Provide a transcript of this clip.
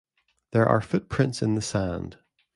There are footprints in the sand.